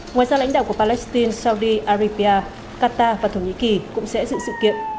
ngoài ra lãnh đạo của palestine saudi aripia qatar và thổ nhĩ kỳ cũng sẽ dự sự kiện